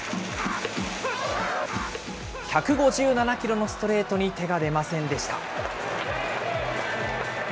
１５７キロのストレートに手が出ませんでした。